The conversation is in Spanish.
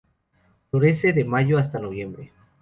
Florece de mayo hasta noviembre.